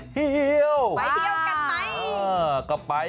ไปเที่ยวกันไป